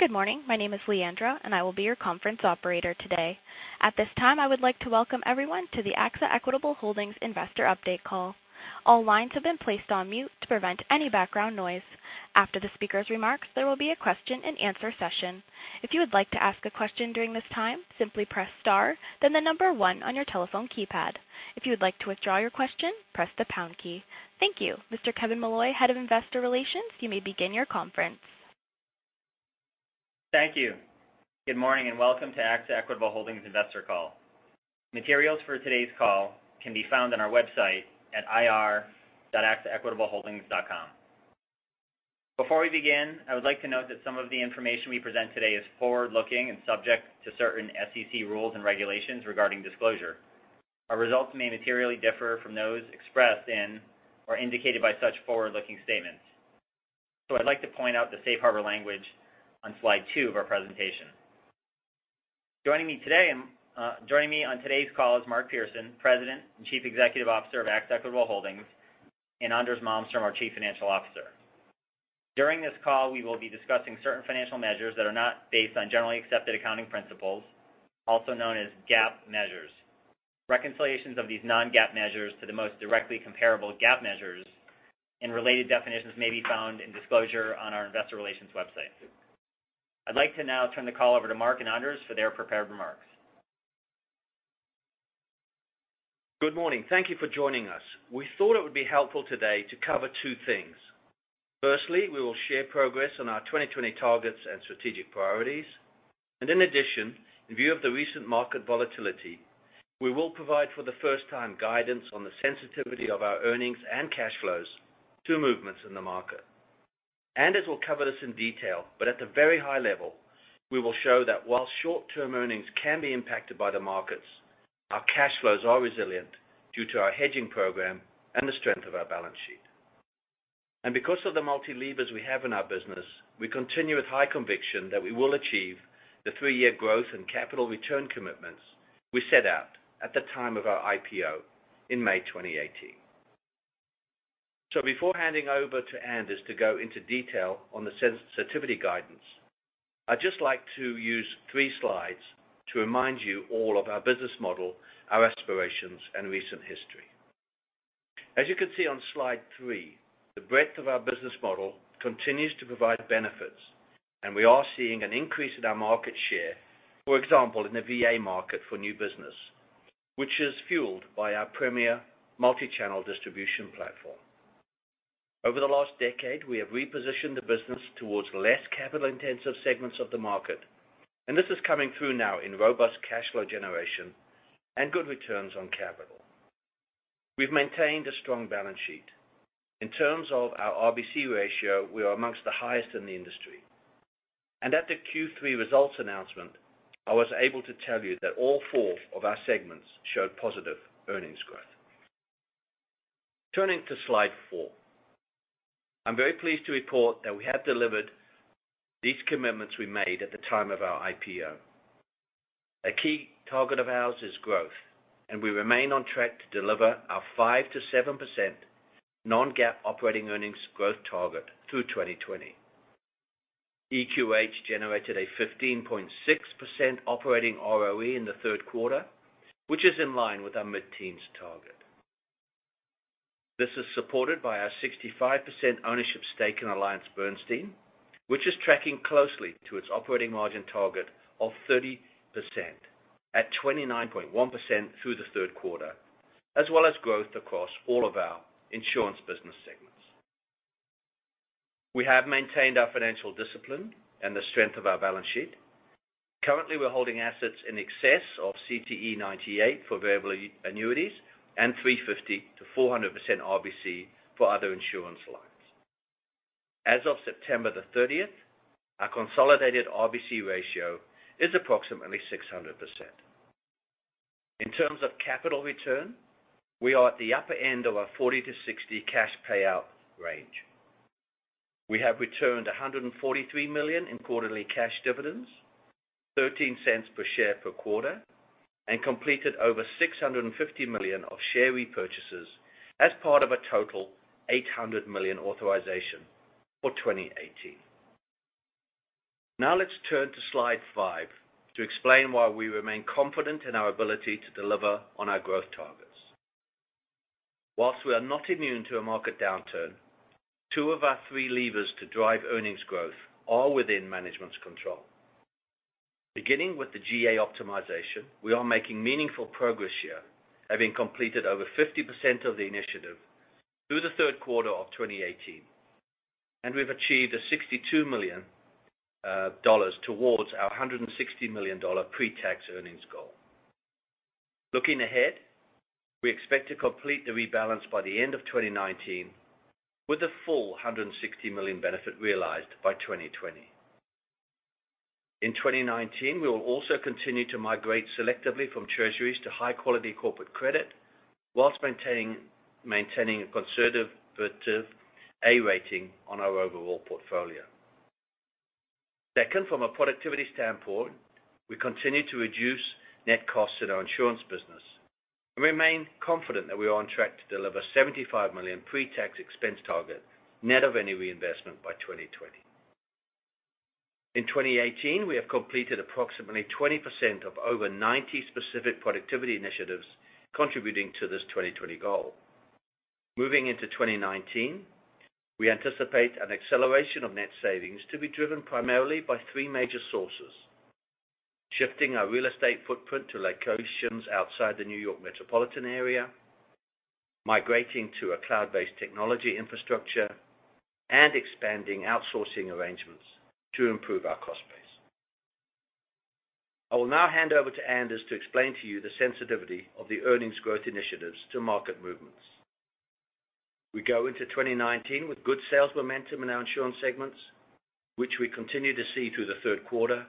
Good morning. My name is Leandra, and I will be your conference operator today. At this time, I would like to welcome everyone to the Equitable Holdings, Inc. Investor update call. All lines have been placed on mute to prevent any background noise. After the speaker's remarks, there will be a question and answer session. If you would like to ask a question during this time, simply press star, then the number one on your telephone keypad. If you would like to withdraw your question, press the pound key. Thank you. Mr. Kevin Molloy, Head of Investor Relations, you may begin your conference. Thank you. Good morning. Welcome to Equitable Holdings, Inc. investor call. Materials for today's call can be found on our website at ir.axaequitableholdings.com. Before we begin, I would like to note that some of the information we present today is forward-looking and subject to certain SEC rules and regulations regarding disclosure. Our results may materially differ from those expressed in or indicated by such forward-looking statements. I'd like to point out the safe harbor language on slide two of our presentation. Joining me on today's call is Mark Pearson, President and Chief Executive Officer of Equitable Holdings, Inc., and Anders Malmström, our Chief Financial Officer. During this call, we will be discussing certain financial measures that are not based on generally accepted accounting principles, also known as GAAP measures. Reconciliations of these non-GAAP measures to the most directly comparable GAAP measures and related definitions may be found in disclosure on our investor relations website. I'd like to now turn the call over to Mark and Anders for their prepared remarks. Good morning. Thank you for joining us. We thought it would be helpful today to cover two things. Firstly, we will share progress on our 2020 targets and strategic priorities. In addition, in view of the recent market volatility, we will provide for the first time guidance on the sensitivity of our earnings and cash flows to movements in the market. Anders will cover this in detail, but at the very high level, we will show that while short-term earnings can be impacted by the markets, our cash flows are resilient due to our hedging program and the strength of our balance sheet. Because of the multi-levers we have in our business, we continue with high conviction that we will achieve the three-year growth and capital return commitments we set out at the time of our IPO in May 2018. Before handing over to Anders to go into detail on the sensitivity guidance, I'd just like to use three slides to remind you all of our business model, our aspirations, and recent history. As you can see on slide three, the breadth of our business model continues to provide benefits, and we are seeing an increase in our market share, for example, in the VA market for new business, which is fueled by our premier multi-channel distribution platform. Over the last decade, we have repositioned the business towards less capital-intensive segments of the market, and this is coming through now in robust cash flow generation and good returns on capital. We've maintained a strong balance sheet. In terms of our RBC ratio, we are amongst the highest in the industry. At the Q3 results announcement, I was able to tell you that all four of our segments showed positive earnings growth. Turning to slide four. I'm very pleased to report that we have delivered these commitments we made at the time of our IPO. A key target of ours is growth, and we remain on track to deliver our 5%-7% non-GAAP operating earnings growth target through 2020. EQH generated a 15.6% operating ROE in the third quarter, which is in line with our mid-teens target. This is supported by our 65% ownership stake in AllianceBernstein, which is tracking closely to its operating margin target of 30% at 29.1% through the third quarter, as well as growth across all of our insurance business segments. We have maintained our financial discipline and the strength of our balance sheet. Currently, we're holding assets in excess of CTE 98 for Variable Annuities and 350%-400% RBC for other insurance lines. As of September 30th, our consolidated RBC ratio is approximately 600%. In terms of capital return, we are at the upper end of our 40-60 cash payout range. We have returned $143 million in quarterly cash dividends, $0.13 per share per quarter, and completed over $650 million of share repurchases as part of a total $800 million authorization for 2018. Let's turn to slide five to explain why we remain confident in our ability to deliver on our growth targets. Whilst we are not immune to a market downturn, two of our three levers to drive earnings growth are within management's control. Beginning with the GA optimization, we are making meaningful progress here, having completed over 50% of the initiative through the third quarter of 2018, and we've achieved a $62 million towards our $160 million pre-tax earnings goal. Looking ahead, we expect to complete the rebalance by the end of 2019 with the full $160 million benefit realized by 2020. In 2019, we will also continue to migrate selectively from Treasuries to high-quality corporate credit whilst maintaining a conservative A rating on our overall portfolio. Second, from a productivity standpoint, we continue to reduce net costs in our insurance business. We remain confident that we are on track to deliver $75 million pre-tax expense target, net of any reinvestment by 2020. In 2018, we have completed approximately 20% of over 90 specific productivity initiatives contributing to this 2020 goal. Moving into 2019, we anticipate an acceleration of net savings to be driven primarily by three major sources: shifting our real estate footprint to locations outside the New York metropolitan area, migrating to a cloud-based technology infrastructure, and expanding outsourcing arrangements to improve our cost base. I will now hand over to Anders to explain to you the sensitivity of the earnings growth initiatives to market movements. We go into 2019 with good sales momentum in our insurance segments, which we continue to see through the third quarter,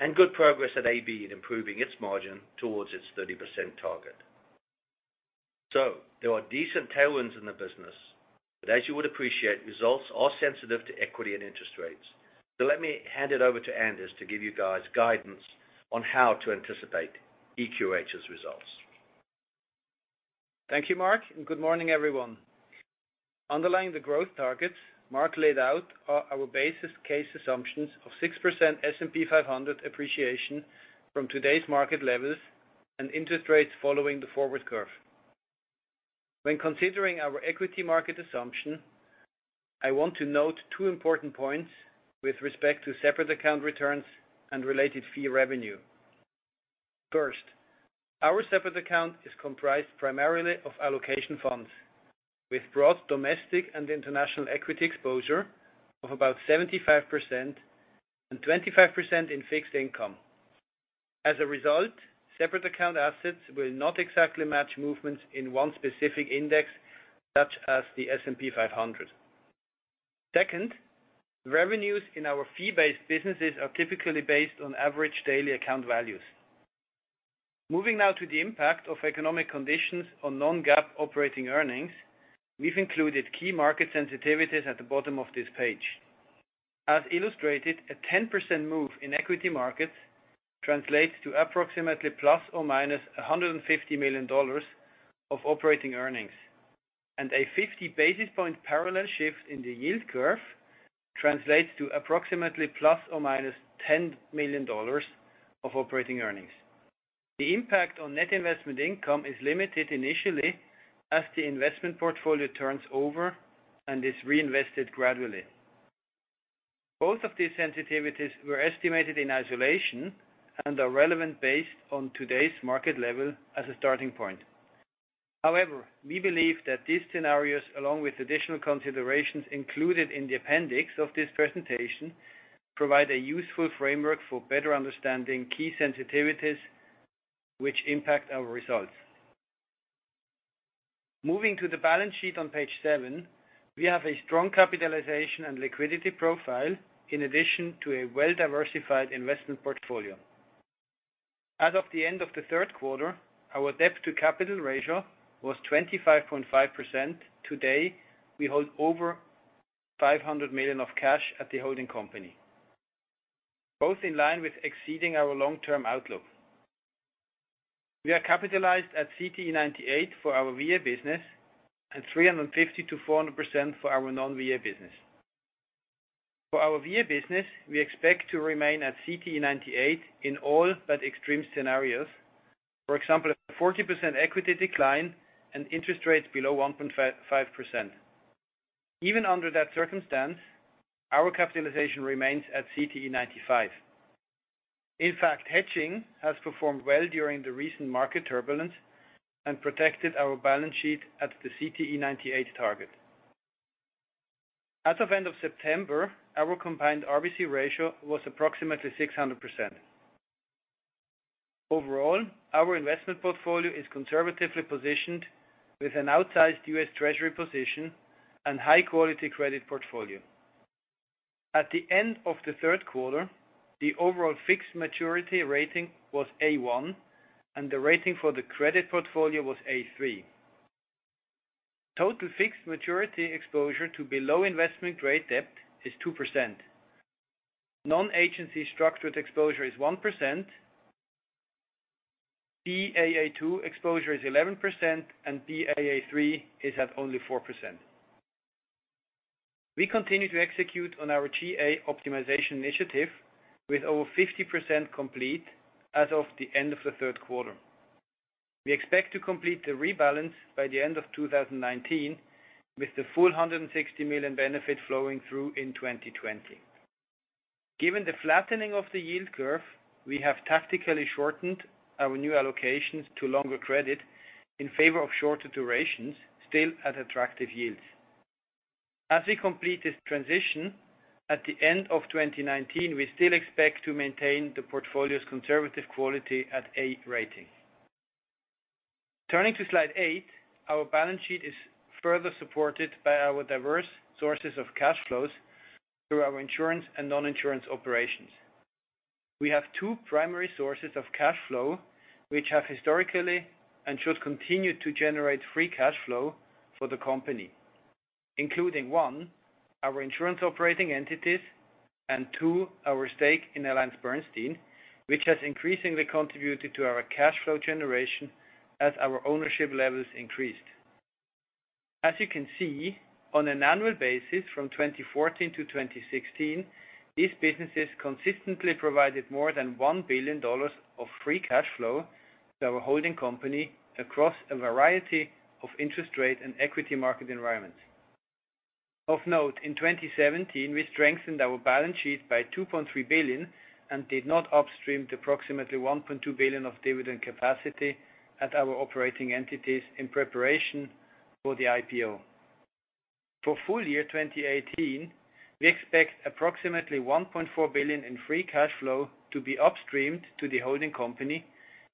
and good progress at AB in improving its margin towards its 30% target. There are decent tailwinds in the business, but as you would appreciate, results are sensitive to equity and interest rates. Let me hand it over to Anders to give you guys guidance on how to anticipate EQH's results. Thank you, Mark, and good morning, everyone. Underlying the growth targets Mark laid out are our basis case assumptions of 6% S&P 500 appreciation from today's market levels and interest rates following the forward curve. When considering our equity market assumption, I want to note two important points with respect to separate account returns and related fee revenue. First, our separate account is comprised primarily of allocation funds with broad domestic and international equity exposure of about 75% and 25% in fixed income. As a result, separate account assets will not exactly match movements in one specific index such as the S&P 500. Second, revenues in our fee-based businesses are typically based on average daily account values. Moving now to the impact of economic conditions on non-GAAP operating earnings. We've included key market sensitivities at the bottom of this page. As illustrated, a 10% move in equity markets translates to approximately ±$150 million of operating earnings. A 50 basis point parallel shift in the yield curve translates to approximately ±$10 million of operating earnings. The impact on net investment income is limited initially as the investment portfolio turns over and is reinvested gradually. Both of these sensitivities were estimated in isolation and are relevant based on today's market level as a starting point. However, we believe that these scenarios, along with additional considerations included in the appendix of this presentation, provide a useful framework for better understanding key sensitivities which impact our results. Moving to the balance sheet on page seven, we have a strong capitalization and liquidity profile in addition to a well-diversified investment portfolio. As of the end of the third quarter, our debt-to-capital ratio was 25.5%. Today, we hold over $500 million of cash at the holding company, both in line with exceeding our long-term outlook. We are capitalized at CTE 98 for our VA business and 350%-400% for our non-VA business. For our VA business, we expect to remain at CTE 98 in all but extreme scenarios. For example, a 40% equity decline and interest rates below 1.5%. Even under that circumstance, our capitalization remains at CTE 95. In fact, hedging has performed well during the recent market turbulence and protected our balance sheet at the CTE 98 target. As of end of September, our combined RBC ratio was approximately 600%. Overall, our investment portfolio is conservatively positioned with an outsized U.S. Treasury position and high-quality credit portfolio. At the end of the third quarter, the overall fixed maturity rating was A.1, and the rating for the credit portfolio was A.3. Total fixed maturity exposure to below investment grade debt is 2%. Non-agency structured exposure is 1%, Baa2 exposure is 11%, Baa3 is at only 4%. We continue to execute on our GA optimization initiative with over 50% complete as of the end of the third quarter. We expect to complete the rebalance by the end of 2019, with the full $160 million benefit flowing through in 2020. Given the flattening of the yield curve, we have tactically shortened our new allocations to longer credit in favor of shorter durations, still at attractive yields. As we complete this transition at the end of 2019, we still expect to maintain the portfolio's conservative quality at A rating. Turning to slide eight, our balance sheet is further supported by our diverse sources of cash flows through our insurance and non-insurance operations. We have two primary sources of cash flow which have historically and should continue to generate free cash flow for the company. Including one, our insurance operating entities, and two, our stake in AllianceBernstein, which has increasingly contributed to our cash flow generation as our ownership levels increased. As you can see, on an annual basis from 2014 to 2016, these businesses consistently provided more than $1 billion of free cash flow to our holding company across a variety of interest rate and equity market environments. Of note, in 2017, we strengthened our balance sheet by $2.3 billion and did not upstream the approximately $1.2 billion of dividend capacity at our operating entities in preparation for the IPO. For full year 2018, we expect approximately $1.4 billion in free cash flow to be upstreamed to the holding company,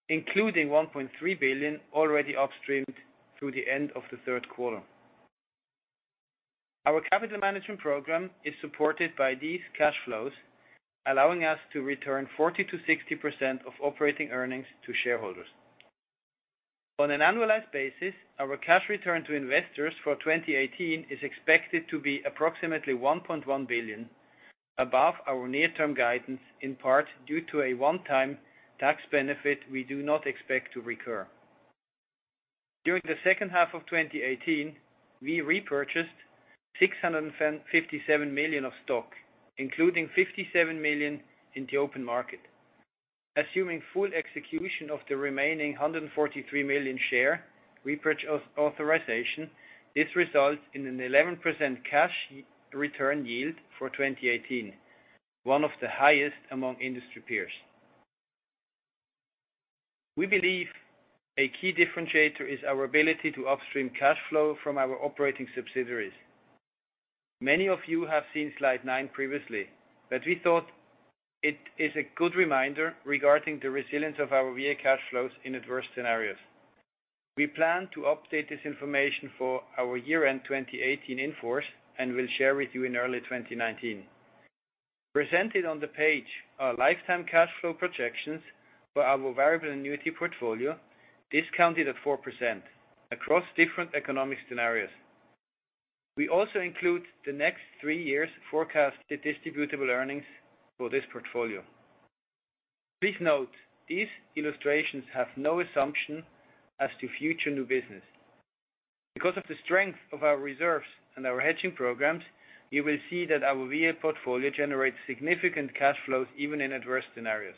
including $1.3 billion already upstreamed through the end of the third quarter. Our capital management program is supported by these cash flows, allowing us to return 40%-60% of operating earnings to shareholders. On an annualized basis, our cash return to investors for 2018 is expected to be approximately $1.1 billion, above our near-term guidance, in part due to a one-time tax benefit we do not expect to recur. During the second half of 2018, we repurchased $657 million of stock, including $57 million in the open market. Assuming full execution of the remaining $143 million share repurchase authorization, this results in an 11% cash return yield for 2018, one of the highest among industry peers. We believe a key differentiator is our ability to upstream cash flow from our operating subsidiaries. Many of you have seen slide nine previously, we thought it is a good reminder regarding the resilience of our VA cash flows in adverse scenarios. We plan to update this information for our year-end 2018 in in-force and will share with you in early 2019. Presented on the page are lifetime cash flow projections for our variable annuity portfolio, discounted at 4%, across different economic scenarios. We also include the next three years forecast distributable earnings for this portfolio. Please note these illustrations have no assumption as to future new business. Because of the strength of our reserves and our hedging programs, you will see that our VA portfolio generates significant cash flows even in adverse scenarios.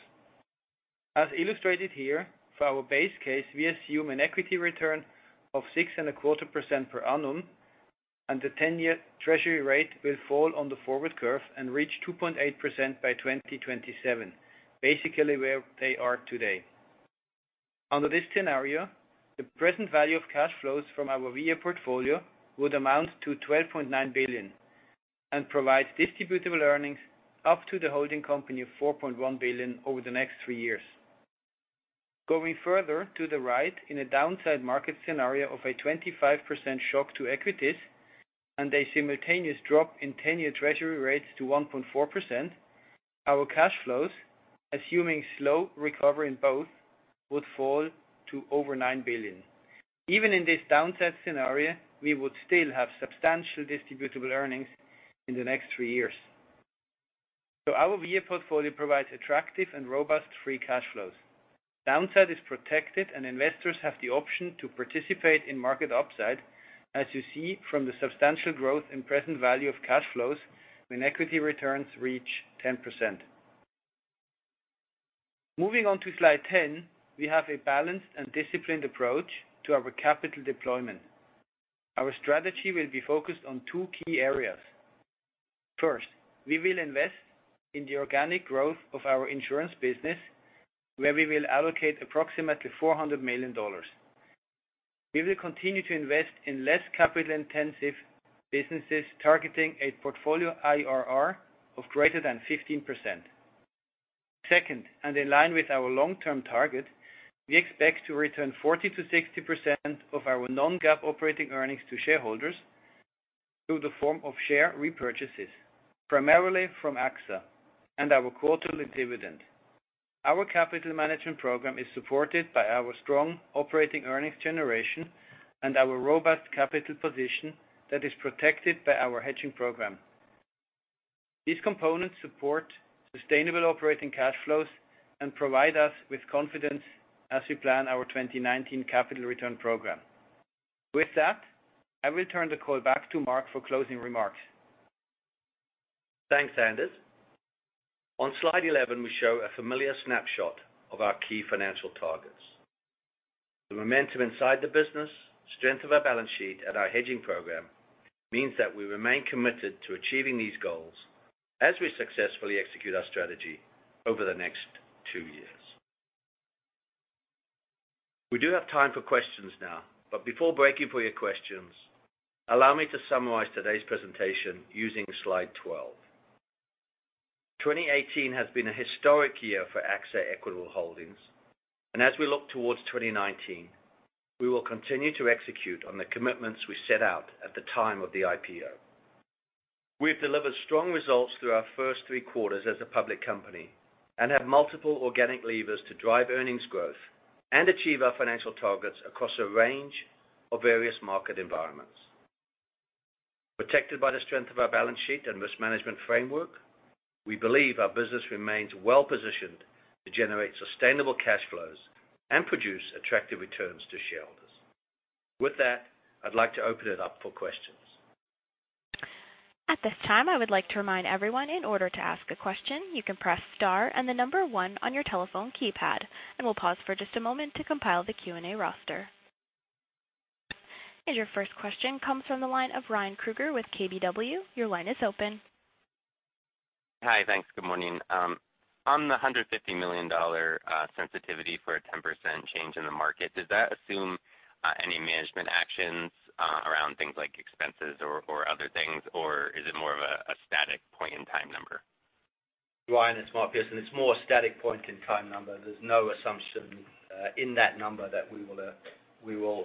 As illustrated here, for our base case, we assume an equity return of 6.25% per annum, the 10-year treasury rate will fall on the forward curve and reach 2.8% by 2027, basically where they are today. Under this scenario, the present value of cash flows from our VA portfolio would amount to $12.9 billion and provide distributable earnings up to the holding company of $4.1 billion over the next three years. Going further to the right, in a downside market scenario of a 25% shock to equities and a simultaneous drop in 10-year U.S. Treasury rates to 1.4%, our cash flows, assuming slow recovery in both, would fall to over $9 billion. Even in this downside scenario, we would still have substantial distributable earnings in the next three years. Our VA portfolio provides attractive and robust free cash flows. Downside is protected, and investors have the option to participate in market upside, as you see from the substantial growth in present value of cash flows when equity returns reach 10%. Moving on to slide 10, we have a balanced and disciplined approach to our capital deployment. Our strategy will be focused on two key areas. First, we will invest in the organic growth of our insurance business, where we will allocate approximately $400 million. We will continue to invest in less capital-intensive businesses, targeting a portfolio IRR of greater than 15%. Second, and in line with our long-term target, we expect to return 40%-60% of our non-GAAP operating earnings to shareholders through the form of share repurchases, primarily from AXA and our quarterly dividend. Our capital management program is supported by our strong operating earnings generation and our robust capital position that is protected by our hedging program. These components support sustainable operating cash flows and provide us with confidence as we plan our 2019 capital return program. With that, I will turn the call back to Mark for closing remarks. Thanks, Anders. On slide 11, we show a familiar snapshot of our key financial targets. The momentum inside the business, strength of our balance sheet, and our hedging program means that we remain committed to achieving these goals as we successfully execute our strategy over the next two years. We do have time for questions now, but before breaking for your questions, allow me to summarize today's presentation using slide 12. 2018 has been a historic year for Equitable Holdings, Inc., and as we look towards 2019, we will continue to execute on the commitments we set out at the time of the IPO We've delivered strong results through our first three quarters as a public company and have multiple organic levers to drive earnings growth and achieve our financial targets across a range of various market environments. Protected by the strength of our balance sheet and risk management framework, we believe our business remains well-positioned to generate sustainable cash flows and produce attractive returns to shareholders. With that, I'd like to open it up for questions. At this time, I would like to remind everyone, in order to ask a question, you can press star and the number one on your telephone keypad, and we'll pause for just a moment to compile the Q&A roster. Your first question comes from the line of Ryan Krueger with KBW. Your line is open. Hi. Thanks. Good morning. On the $150 million sensitivity for a 10% change in the market, does that assume any management actions around things like expenses or other things, or is it more of a static point-in-time number? Ryan, it's Mark Pearson. It's more a static point-in-time number. There's no assumption in that number that we will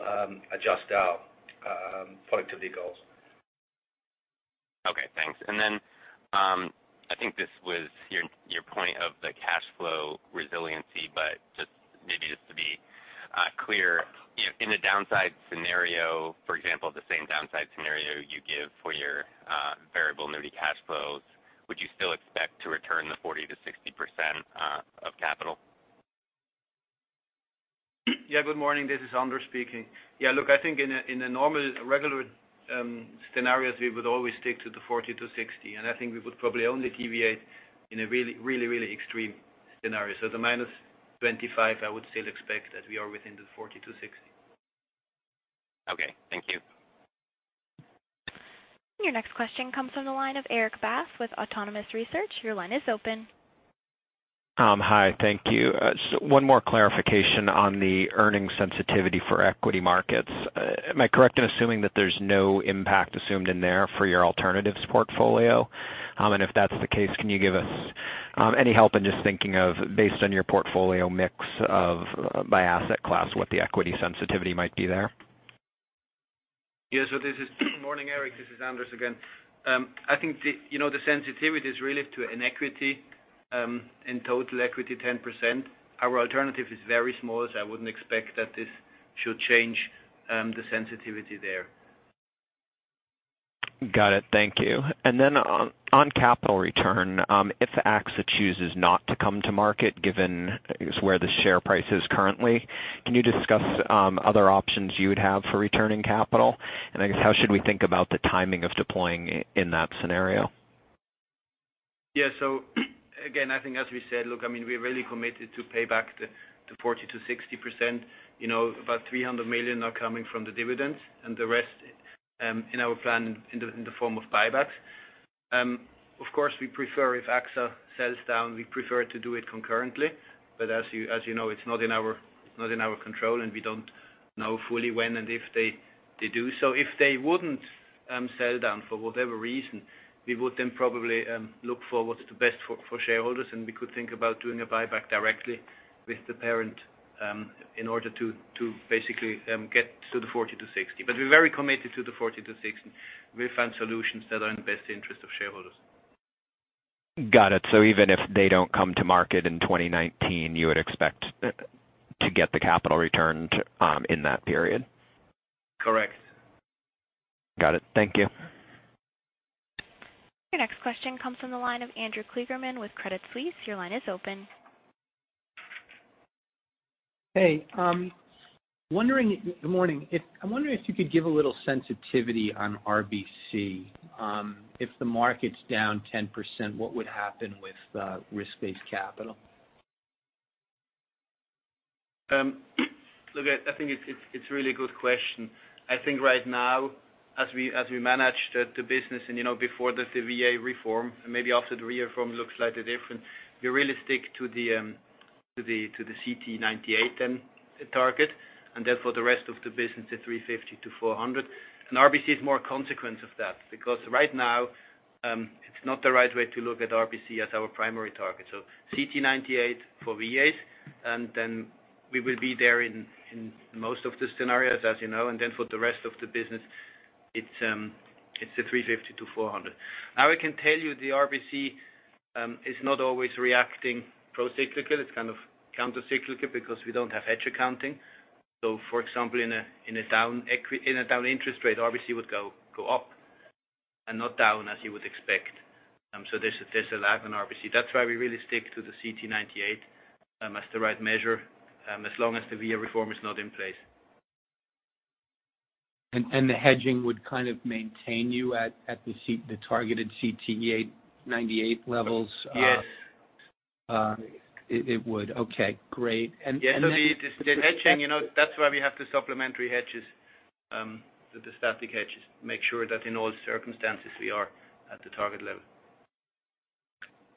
adjust our productivity goals. Okay, thanks. I think this was your point of the cash flow resiliency, but just maybe just to be clear. In a downside scenario, for example, the same downside scenario you give for your variable annuity cash flows, would you still expect to return the 40%-60% of capital? Good morning. This is Anders speaking. I think in the normal, regular scenarios, we would always stick to the 40-60. I think we would probably only deviate in a really extreme scenario. The -25, I would still expect that we are within the 40-60. Okay. Thank you. Your next question comes from the line of Erik Bass with Autonomous Research. Your line is open. Hi. Thank you. One more clarification on the earnings sensitivity for equity markets. Am I correct in assuming that there's no impact assumed in there for your alternatives portfolio? If that's the case, can you give us any help in just thinking of, based on your portfolio mix by asset class, what the equity sensitivity might be there? Yes. Good morning, Erik. This is Anders again. I think the sensitivity is really to in equity, in total equity, 10%. Our alternative is very small, so I wouldn't expect that this should change the sensitivity there. Got it. Thank you. Then on capital return. If AXA chooses not to come to market, given where the share price is currently, can you discuss other options you would have for returning capital? I guess how should we think about the timing of deploying in that scenario? Yes. Again, I think as we said, look, we are really committed to pay back the 40%-60%. About $300 million are coming from the dividends and the rest in our plan in the form of buybacks. Of course, we prefer if AXA sells down, we prefer to do it concurrently. As you know, it's not in our control, and we don't know fully when and if they do. If they wouldn't sell down for whatever reason, we would then probably look for what's best for shareholders, and we could think about doing a buyback directly with the parent in order to basically get to the 40%-60%. We're very committed to the 40%-60%. We'll find solutions that are in the best interest of shareholders. Got it. Even if they don't come to market in 2019, you would expect to get the capital returned in that period? Correct. Got it. Thank you. Your next question comes from the line of Andrew Kligerman with Credit Suisse. Your line is open. Hey. Good morning. I'm wondering if you could give a little sensitivity on RBC. If the market's down 10%, what would happen with risk-based capital? I think it's a really good question. I think right now, as we manage the business and before the VA reform, and maybe after the reform looks slightly different. We really stick to the CTE 98 target, therefore, the rest of the business is 350-400. RBC is more a consequence of that, because right now, it's not the right way to look at RBC as our primary target. CTE 98 for VA, and then we will be there in most of the scenarios, as you know. Then for the rest of the business, it's the 350-400. I can tell you the RBC is not always reacting procyclical. It's kind of countercyclical because we don't have hedge accounting. For example, in a down interest rate, obviously it would go up and not down as you would expect. There's a lag on RBC. That's why we really stick to the CTE 98 as the right measure, as long as the VA reform is not in place. The hedging would kind of maintain you at the targeted CTE 98 levels? Yes. It would. Okay, great. Yeah, the hedging, that's why we have the supplementary hedges, the static hedges. Make sure that in all circumstances we are at the target level.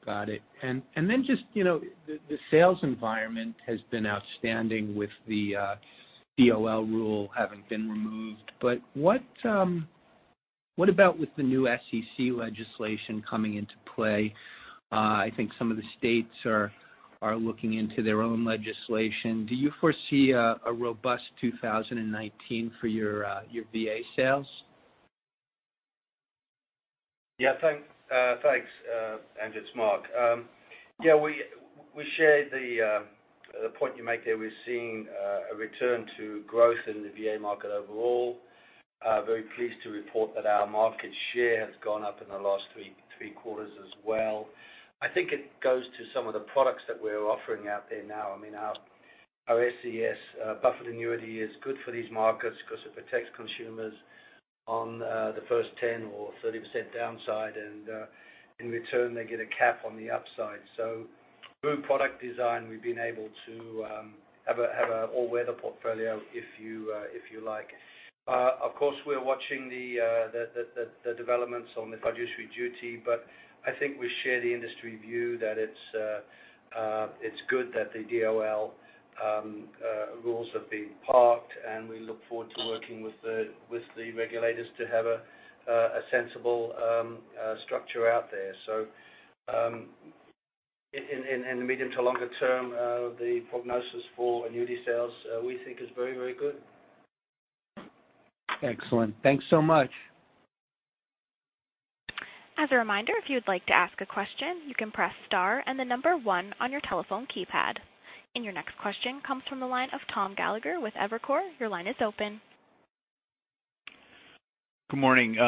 Got it. The sales environment has been outstanding with the DOL rule having been removed. What about with the new SEC legislation coming into play? I think some of the states are looking into their own legislation. Do you foresee a robust 2019 for your VA sales? Yeah. Thanks, and it's Mark. We share the point you make there. We're seeing a return to growth in the VA market overall. Very pleased to report that our market share has gone up in the last three quarters as well. I think it goes to some of the products that we're offering out there now. Our SES buffered annuity is good for these markets because it protects consumers on the first 10% or 30% downside. In return, they get a cap on the upside. Good product design, we've been able to have an all-weather portfolio, if you like. Of course, we're watching the developments on the fiduciary duty. But I think we share the industry view that it's good that the DOL rules have been parked, we look forward to working with the regulators to have a sensible structure out there. In the medium to longer term, the prognosis for annuity sales, we think is very, very good. Excellent. Thanks so much. As a reminder, if you'd like to ask a question, you can press star and the number one on your telephone keypad. Your next question comes from the line of Thomas Gallagher with Evercore. Your line is open. Good morning.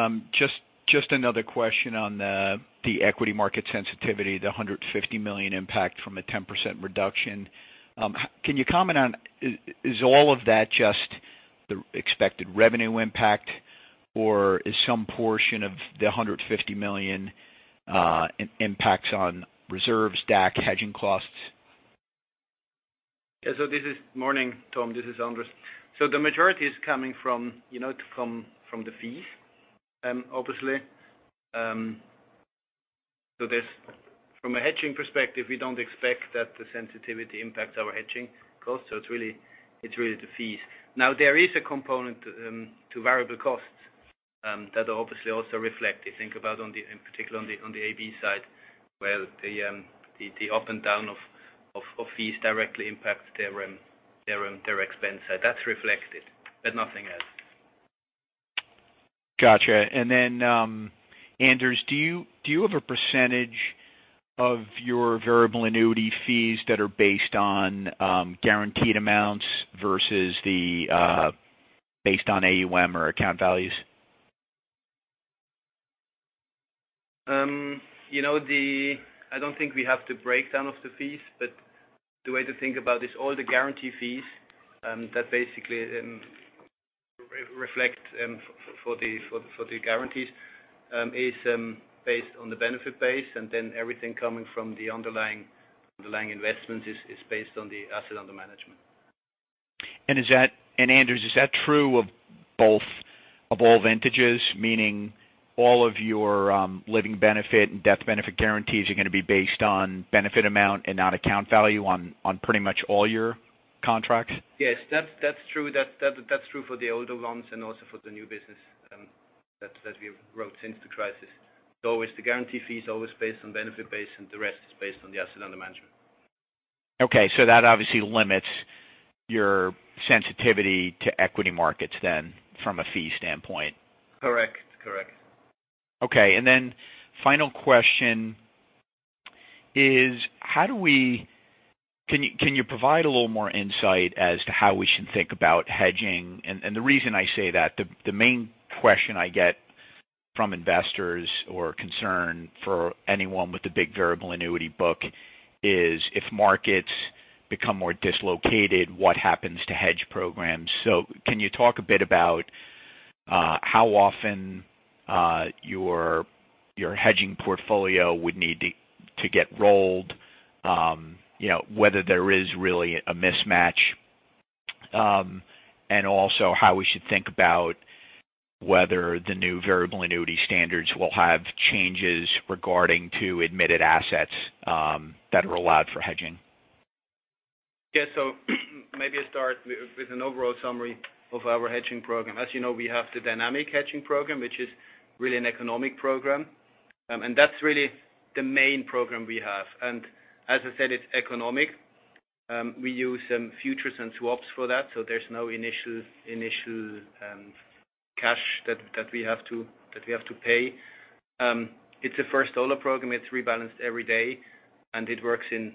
Just another question on the equity market sensitivity, the $150 million impact from a 10% reduction. Can you comment on, is all of that just the expected revenue impact, or is some portion of the $150 million impacts on reserves, DAC, hedging costs? Morning, Tom. This is Anders. The majority is coming from the fees, obviously. From a hedging perspective, we don't expect that the sensitivity impacts our hedging costs. It's really the fees. There is a component to variable costs that obviously also reflect. I think about in particular on the AB side, where the up and down of fees directly impacts their expense side. That's reflected, but nothing else. Got you. Then, Anders, do you have a percentage of your variable annuity fees that are based on guaranteed amounts versus based on AUM or account values? I don't think we have the breakdown of the fees, but the way to think about this, all the guarantee fees that basically reflect for the guarantees is based on the benefit base, and then everything coming from the underlying investments is based on the asset under management. Anders, is that true of all vintages, meaning all of your living benefit and death benefit guarantees are going to be based on benefit amount and not account value on pretty much all your contracts? Yes. That's true for the older ones and also for the new business that we've wrote since the crisis. The guarantee fee is always based on benefit base, and the rest is based on the asset under management. Okay. That obviously limits your sensitivity to equity markets then from a fee standpoint. Correct. Final question is, can you provide a little more insight as to how we should think about hedging? The reason I say that, the main question I get from investors or concern for anyone with a big Variable Annuity book is, if markets become more dislocated, what happens to hedge programs? Can you talk a bit about how often your hedging portfolio would need to get rolled, whether there is really a mismatch, and also how we should think about whether the new Variable Annuity standards will have changes regarding to admitted assets that are allowed for hedging. Yes. Maybe I start with an overall summary of our hedging program. As you know, we have the dynamic hedging program, which is really an economic program. That's really the main program we have. As I said, it's economic. We use futures and swaps for that, there's no initial cash that we have to pay. It's a first dollar program. It's rebalanced every day, it works in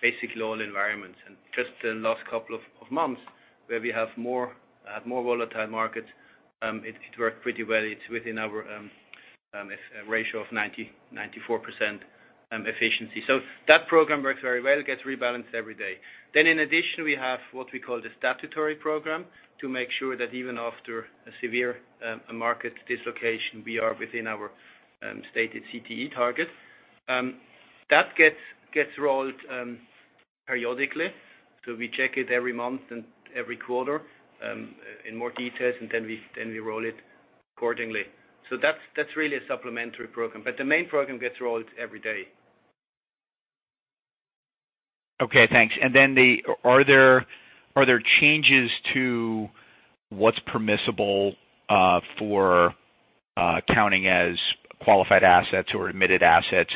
basically all environments. Just the last couple of months, where we have more volatile markets, it worked pretty well. It's within our ratio of 94% efficiency. That program works very well, gets rebalanced every day. In addition, we have what we call the statutory program to make sure that even after a severe market dislocation, we are within our stated CTE targets. That gets rolled periodically. We check it every month and every quarter in more details, we roll it accordingly. That's really a supplementary program, the main program gets rolled every day. Okay, thanks. Are there changes to what's permissible for counting as qualified assets or admitted assets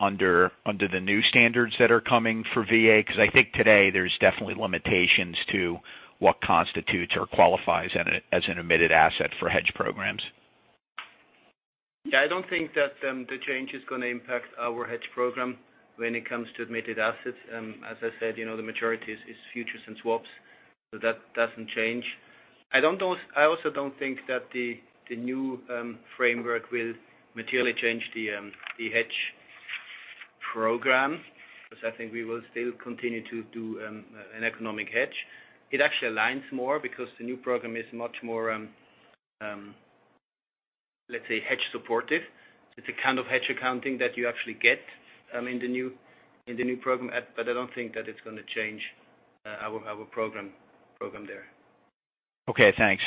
under the new standards that are coming for VA, because I think today there's definitely limitations to what constitutes or qualifies as an admitted asset for hedge programs. Yeah, I don't think that the change is going to impact our hedge program when it comes to admitted assets. As I said, the majority is futures and swaps, so that doesn't change. I also don't think that the new framework will materially change the hedge program, because I think we will still continue to do an economic hedge. It actually aligns more because the new program is much more, let's say, hedge supportive. It's a kind of hedge accounting that you actually get in the new program, I don't think that it's going to change our program there. Okay, thanks.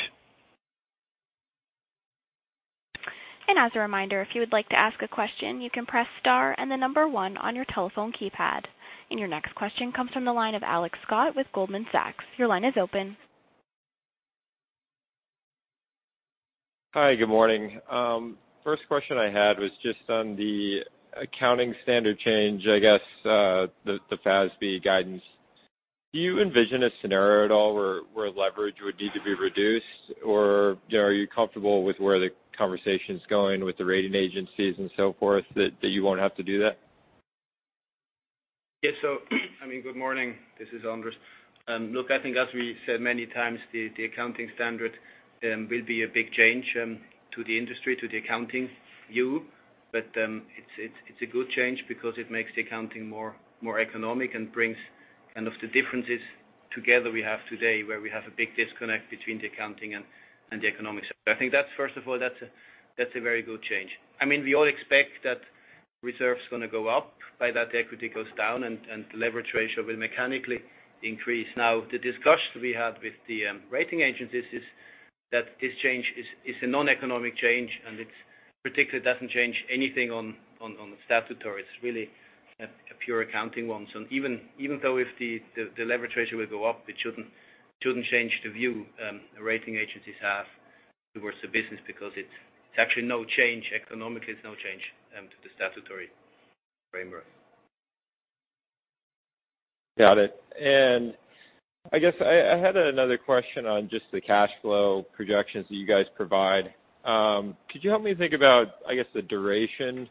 As a reminder, if you would like to ask a question, you can press star and the number one on your telephone keypad. Your next question comes from the line of Alex Scott with Goldman Sachs. Your line is open. Hi, good morning. First question I had was just on the accounting standard change, I guess, the FASB guidance. Do you envision a scenario at all where leverage would need to be reduced? Or are you comfortable with where the conversation's going with the rating agencies and so forth that you won't have to do that? Yes. Good morning. This is Anders. Look, I think as we said many times, the accounting standard will be a big change to the industry, to the accounting view. It's a good change because it makes the accounting more economic and brings kind of the differences together we have today, where we have a big disconnect between the accounting and the economics. I think first of all, that's a very good change. We all expect that reserve's going to go up, by that the equity goes down and the leverage ratio will mechanically increase. The discussions we had with the rating agencies is that this change is a non-economic change, and it particularly doesn't change anything on the statutory. It's really a pure accounting one. Even though if the leverage ratio will go up, it shouldn't change the view the rating agencies have towards the business, because it's actually no change economically, it's no change to the statutory framework. Got it. I guess I had another question on just the cash flow projections that you guys provide. Could you help me think about, I guess, the duration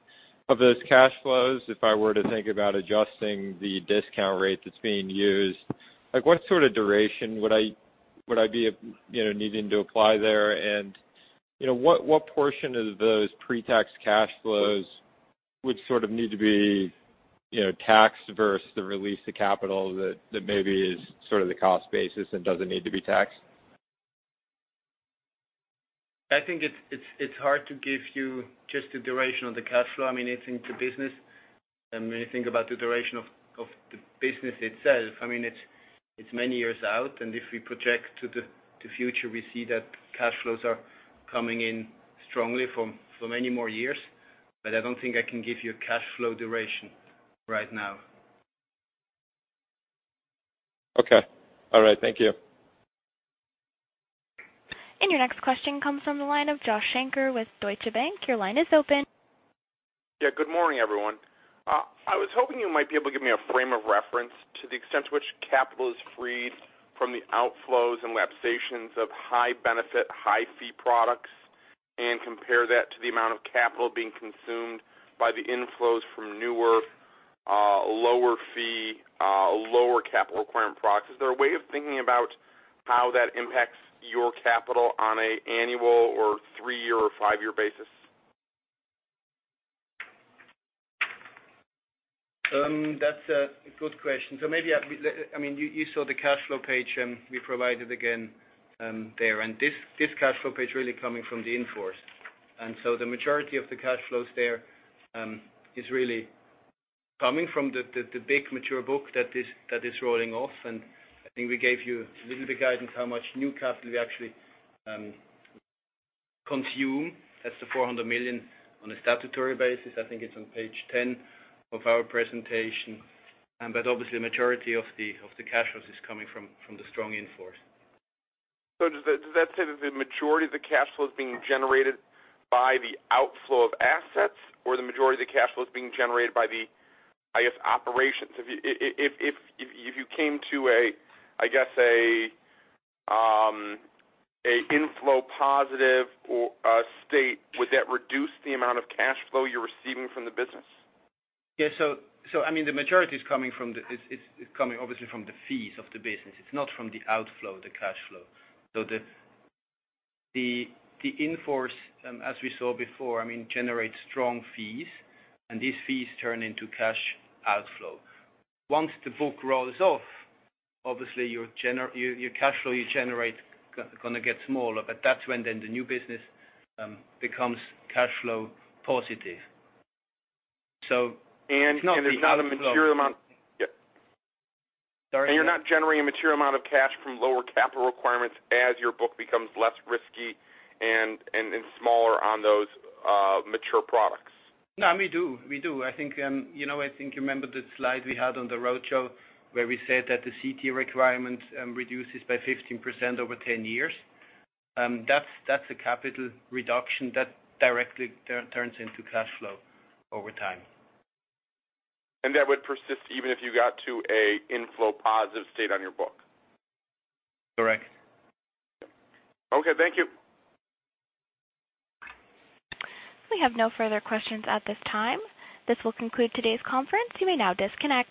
of those cash flows if I were to think about adjusting the discount rate that's being used? What sort of duration would I be needing to apply there? And what portion of those pre-tax cash flows would sort of need to be taxed versus the release of capital that maybe is sort of the cost basis and doesn't need to be taxed? I think it's hard to give you just the duration of the cash flow. It's into business. When you think about the duration of the business itself, it's many years out, and if we project to the future, we see that cash flows are coming in strongly for many more years. I don't think I can give you a cash flow duration right now. Okay. All right. Thank you. Your next question comes from the line of Joshua Shanker with Deutsche Bank. Your line is open. Yeah. Good morning, everyone. I was hoping you might be able to give me a frame of reference to the extent to which capital is freed from the outflows and lapsations of high benefit, high fee products, and compare that to the amount of capital being consumed by the inflows from newer, lower fee, lower capital requirement products. Is there a way of thinking about how that impacts your capital on an annual or three-year or five-year basis? That's a good question. Maybe, you saw the cash flow page we provided again there, this cash flow page really coming from the in-force. The majority of the cash flows there is really coming from the big mature book that is rolling off, I think we gave you a little bit guidance how much new capital we actually consume. That's the $400 million on a statutory basis. I think it's on page 10 of our presentation. Obviously, the majority of the cash flows is coming from the strong in-force. Does that say that the majority of the cash flow is being generated by the outflow of assets or the majority of the cash flow is being generated by the operations? If you came to a inflow positive state, would that reduce the amount of cash flow you're receiving from the business? Yeah. The majority is coming, obviously, from the fees of the business. It's not from the outflow, the cash flow. The in-force, as we saw before, generates strong fees, and these fees turn into cash outflow. Once the book rolls off, obviously, your cash flow you generate going to get smaller, but that's when then the new business becomes cash flow positive. There's not a material amount. Sorry? You're not generating a material amount of cash from lower capital requirements as your book becomes less risky and smaller on those mature products? No, we do. I think you remember the slide we had on the roadshow where we said that the CTE requirement reduces by 15% over 10 years. That's a capital reduction that directly turns into cash flow over time. That would persist even if you got to an inflow positive state on your book? Correct. Okay. Thank you. We have no further questions at this time. This will conclude today's conference. You may now disconnect.